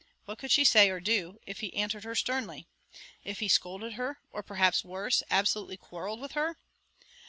What could she say or do, if he answered her sternly? if he scolded her, or perhaps worse, absolutely quarrelled with her?